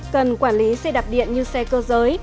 cần quản lý xe đạp điện như xe cơ giới